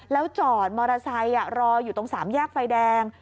แล้วจอดมอเตอร์ไซค์รออยู่ตรงสามแยกไฟแดง